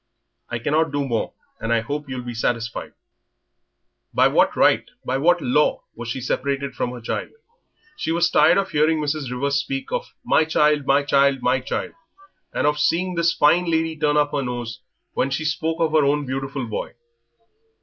I cannot do more, and I hope you'll be satisfied." By what right, by what law, was she separated from her child? She was tired of hearing Mrs. Rivers speak of "my child, my child, my child," and of seeing this fine lady turn up her nose when she spoke of her own beautiful boy.